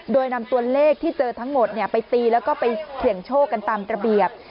โดยนำตัวเลขที่เจอทั้งหมดไปตีแล้วก็ไปเสี่ยงโชคกันตามระเบียบ